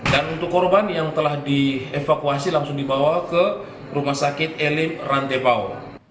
dan untuk korban yang telah dievakuasi langsung dibawa ke rumah sakit elim rantabau